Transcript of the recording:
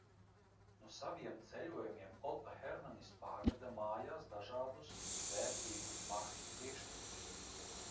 No saviem ceļojumiem Oto Hermanis pārveda mājās dažādus, vērtīgus mākslas priekšmetus.